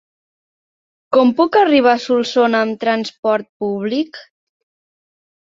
Com puc arribar a Solsona amb trasport públic?